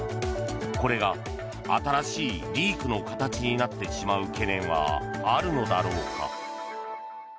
これが新しいリークの形になってしまう懸念はあるのだろうか。